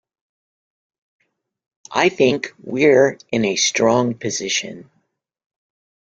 I think we’re in a strong position